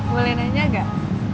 boleh nanya gak